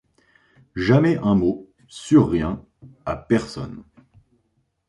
Jamais un mot, sur rien, à personne.